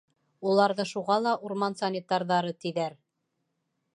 Уларҙы шуға ла урман санитарҙары, тиҙәр.